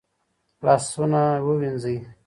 لاسونه ووينځئ.